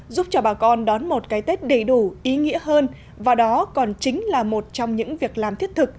giúp cho bà con đón một cái tết đầy đủ ý nghĩa hơn và đó còn chính là một trong những việc làm thiết thực